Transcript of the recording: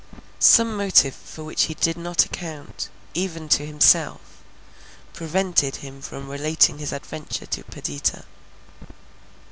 Some motive for which he did not account, even to himself, prevented him from relating his adventure to Perdita.